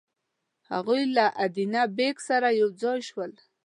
هغوی له ادینه بېګ سره یو ځای شول.